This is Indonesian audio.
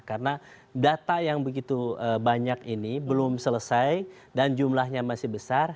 karena data yang begitu banyak ini belum selesai dan jumlahnya masih besar